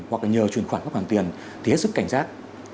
hoặc là nhờ truyền khoản các khoản tiền thì hết sức cảnh giác